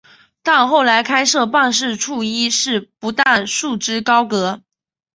但后来开设办事处一事不但束之高阁。